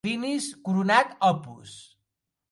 Finis coronat opus.